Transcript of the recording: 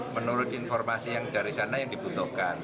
menurut informasi yang dari sana yang dibutuhkan